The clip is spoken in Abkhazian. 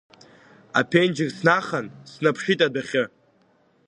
Аԥенџьыр снахан, снаԥшит адәахьы…